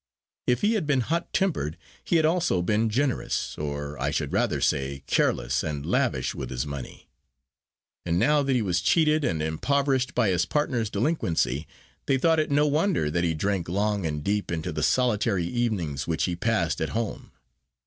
If he had been hot tempered he had also been generous, or I should rather say careless and lavish with his money. And now that he was cheated and impoverished by his partner's delinquency, they thought it no wonder that he drank long and deep in the solitary evenings which he passed at home.